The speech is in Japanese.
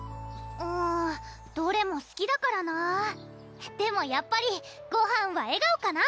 うんどれもすきだからなぁでもやっぱり「ごはんは笑顔」かな！